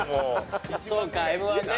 そうかＭ−１ね。